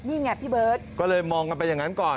นี่ไงพี่เบิร์ตก็เลยมองกันไปอย่างนั้นก่อน